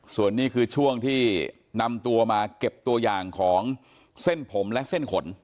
ส่วนนี้คือช่วงที่นำตัวมาเก็บตัวอย่างของเส้นผมและเส้นขน